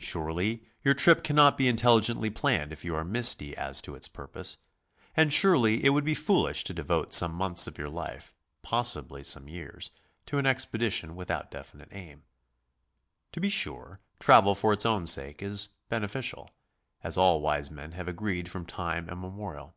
Surely your trip cannot be intelligently planned if you are misty as to its purpose, and surely it would be foolish to devote some months of your life, possibly some years, to an expedition without definite aim. To be sure, travel for its own sake is beneficial, as all wise men have agreed from time imme morial.